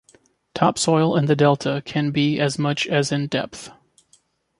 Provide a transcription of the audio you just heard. Topsoil in the delta can be as much as in depth.